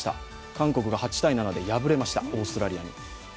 韓国が８−７で敗れました、オーストラリアに。